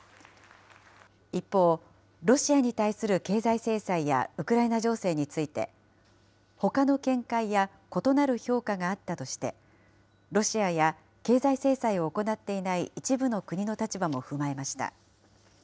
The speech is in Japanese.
一方、ロシアに対する経済制裁やウクライナ情勢について、ほかの見解や異なる評価があったとして、ロシアや経済制裁を行っていない一部の国の立場も踏まえました。